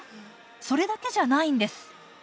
それだけじゃないんです。